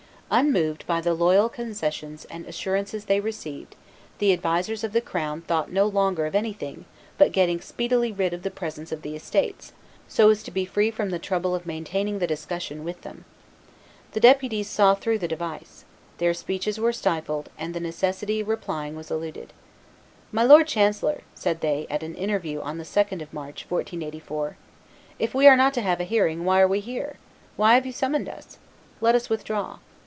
Unmoved by the loyal concessions and assurances they received, the advisers of the crown thought no longer of anything but getting speedily rid of the presence of the estates, so as to be free from the trouble of maintaining the discussion with them. The deputies saw through the device; their speeches were stifled, and the necessity of replying was eluded. "My lord chancellor," said they, at an interview on the 2d of March, 1484, "if we are not to have a hearing, why are we here? Why have you summoned us? Let us withdraw.